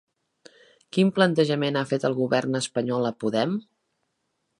Quin plantejament ha fet el govern espanyol a Podem?